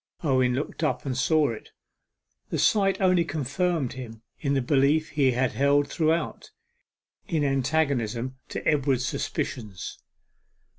Owen looked up and saw it. The sight only confirmed him in the belief he had held throughout, in antagonism to Edward's suspicions.